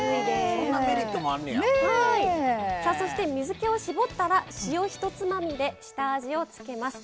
そして水けを絞ったら塩１つまみで下味を付けます。